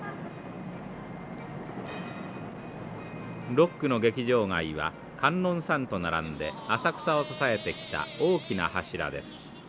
六区の劇場街は観音さんと並んで浅草を支えてきた大きな柱です。